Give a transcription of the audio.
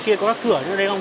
ở kia có các cửa như đây không